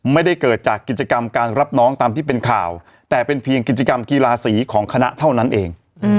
ไม่ได้เกิดจากกิจกรรมการรับน้องตามที่เป็นข่าวแต่เป็นเพียงกิจกรรมกีฬาสีของคณะเท่านั้นเอง